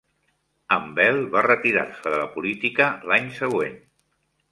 En Bell va retirar-se de la política l'any següent.